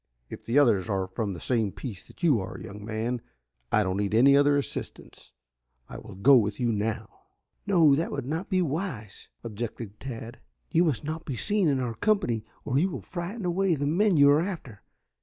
"If the others are from the same piece that you are, young man, I don't need any other assistance. I will go with you now." "No, that will not be wise," objected Tad. "You must not be seen in our company or you will frighten away the men you are after.